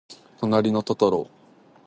となりのトトロをみる。